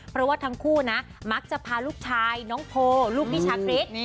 เพราะว่าทั้งคู่นะมักจะพาลูกชายน้องโพลูกพี่ชาคริส